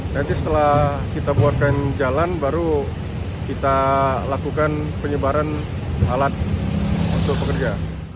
nanti setelah kita buatkan jalan baru kita lakukan penyebaran alat untuk pekerja